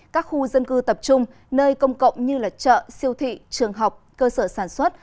các khu dân cư tập trung nơi công cộng như chợ siêu thị trường học cơ sở sản xuất